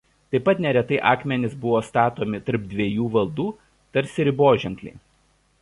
Taip pat neretai akmenys buvo statomi tarp dviejų valdų tarsi riboženkliai.